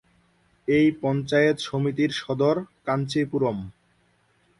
এই পঞ্চায়েত সমিতির সদর কাঞ্চীপুরম।